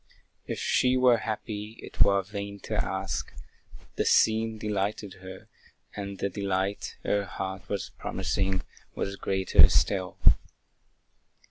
If she were happy, it were vain to ask; The scene delighted her, and the delight Her heart was promising, was greater still.